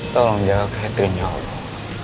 tolong jaga kehatirnya allah